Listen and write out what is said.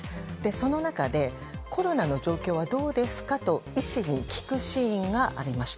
その中で、コロナの状況はどうですか？と医師に聞くシーンがありました。